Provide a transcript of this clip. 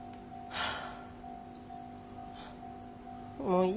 はあ。